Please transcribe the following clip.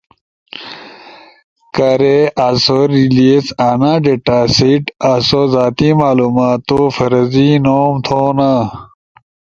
کارے آسو ریلیس انا ڈیٹا سیٹ، آسو زاتی معلوماتو فرضی نوم تھینا،